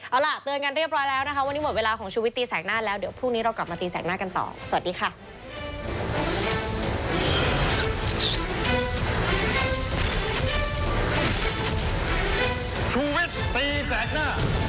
เอาล่ะเตือนกันเรียบร้อยแล้วนะคะวันนี้หมดเวลาของชุวิตตีแสกหน้าแล้วเดี๋ยวพรุ่งนี้เรากลับมาตีแสกหน้ากันต่อสวัสดีค่ะ